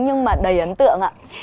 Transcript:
nhưng mà đầy ấn tượng ạ